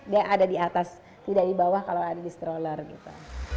dia ada di atas tidak di bawah kalau ada di stroller gitu